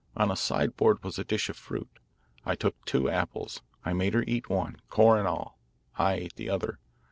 On a sideboard was a dish of fruit. I took two apples. I made her eat one, core and all. I ate the other.